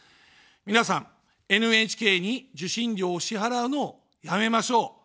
皆さん、ＮＨＫに受信料を支払うのをやめましょう。